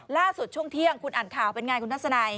ล่าสุดช่วงเที่ยงคุณอ่านข่าวเป็นยังไงคุณท่านสนัย